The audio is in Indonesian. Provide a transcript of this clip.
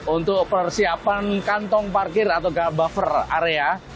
untuk persiapan kantong parkir atau buffer area